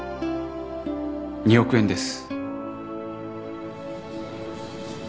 ２億円です。